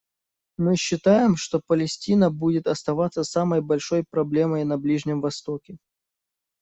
Мы считаем, что Палестина будет оставаться самой большой проблемой на Ближнем Востоке.